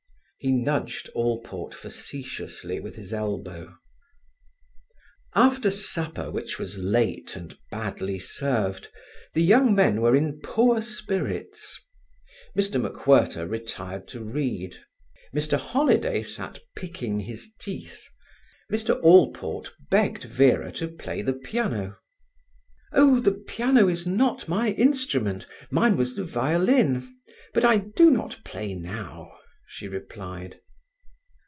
He nudged Allport facetiously with his elbow. After supper, which was late and badly served, the young men were in poor spirits. Mr MacWhirter retired to read. Mr Holiday sat picking his teeth; Mr. Allport begged Vera to play the piano. "Oh, the piano is not my instrument; mine was the violin, but I do not play now," she replied.